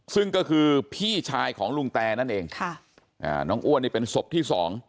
ซึ่งก็คือพี่ชายของลุงแตนั่นเองค่ะอ่าน้องอ้วนนี่เป็นศพที่สอง